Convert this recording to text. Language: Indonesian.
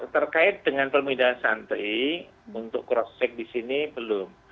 terkait dengan pemindahan santri untuk cross check di sini belum